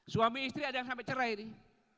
suami istri ada yang sampai cerai nih